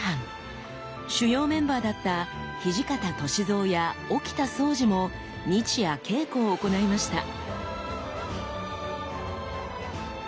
主要メンバーだった土方歳三や沖田総司も日夜稽古を行いました。